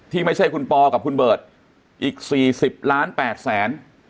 ที่ไม่ใช่คุณปอกับคุณเบิร์ตอีกสี่สิบล้านแปดแสน